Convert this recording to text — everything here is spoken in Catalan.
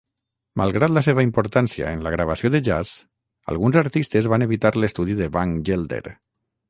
Malgrat la seva importància en la gravació de jazz, alguns artistes van evitar l'estudi de Van Gelder.